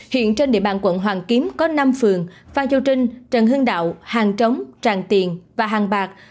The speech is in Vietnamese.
hiện trên địa bàn quận hoàn kiếm có năm phường phan châu trinh trần hưng đạo hàng trống tràng tiền và hàng bạc